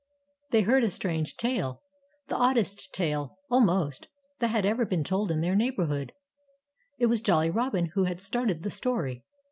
They had heard a strange tale the oddest tale, almost, that had ever been told in their neighborhood. It was Jolly Robin who had started the story.